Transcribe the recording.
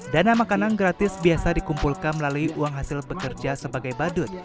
dana makanan gratis biasa dikumpulkan melalui uang hasil bekerja sebagai badut